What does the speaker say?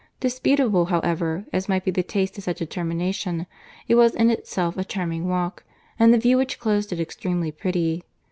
Disputable, however, as might be the taste of such a termination, it was in itself a charming walk, and the view which closed it extremely pretty.